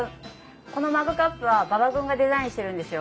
このマグカップは馬場君がデザインしてるんですよ。